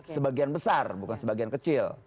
sebagian besar bukan sebagian kecil